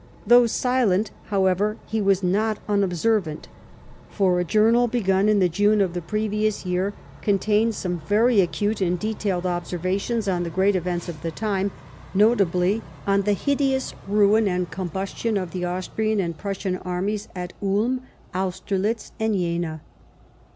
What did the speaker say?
Though silenty however, he was not unobservant ; for a journal 8 LIFB OF nSCOUNT PALMEB8T0N. begun in June of the previous year, oontains some very acute and detailed observations on the great events of the time, notably on the hideous ruin and eombustion of the Austrian and Prussian armies at Ulm, Austeriiz, and Jena.